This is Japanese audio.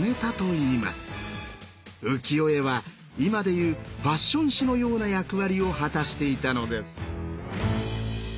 浮世絵は今でいうファッション誌のような役割を果たしていたのです。